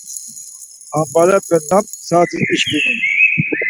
Ambaepe nam saat̆is işkini?